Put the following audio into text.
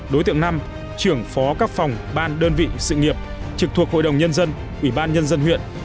đối tượng năm trưởng phó các phòng ban đơn vị sự nghiệp trực thuộc hội đồng nhân dân ủy ban nhân dân huyện